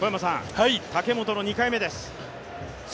武本の２回目です。